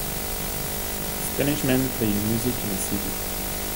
Spanish men playing music in a city.